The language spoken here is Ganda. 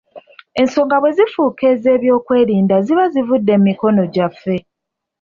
Ensonga bwe zifuuka ez'ebyokwerinda ziba zivudde mu mikono gyaffe.